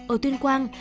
ở tuyên quang